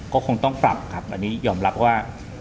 ก็คงต้องปรับครับอันนี้ยอมรับว่า